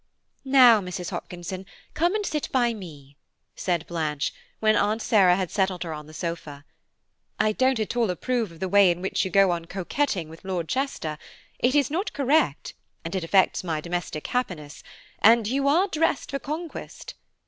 "Now, Mrs. Hopkinson, come and sit by me," said Blanche, when Aunt Sarah had settled her on the sofa. "I don't at all approve of the way in which you go on coquetting with Lord Chester; it is not correct, and it affects my domestic happiness, and you are dressed for conquest.